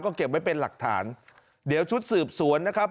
ก็เก็บไว้เป็นหลักฐานเดี๋ยวชุดสืบสวนนะครับ